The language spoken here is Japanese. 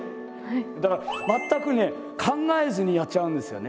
だから全くね考えずにやっちゃうんですよね。